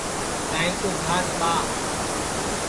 گائیں کُو گھاس ٻاہ